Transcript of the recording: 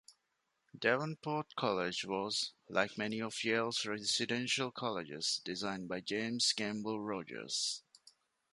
Davenport College was, like many of Yale's residential colleges, designed by James Gamble Rogers.